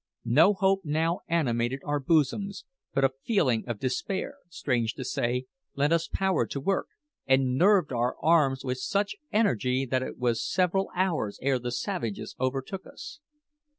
No hope now animated our bosoms; but a feeling of despair, strange to say, lent us power to work, and nerved our arms with such energy that it was several hours ere the savages overtook us.